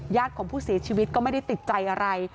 ของผู้เสียชีวิตก็ไม่ได้ติดใจอะไร